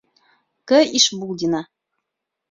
К. ИШБУЛДИНА.